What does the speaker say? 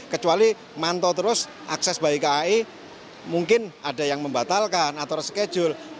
kecuali mantau terus akses by kai mungkin ada yang membatalkan atau reschedule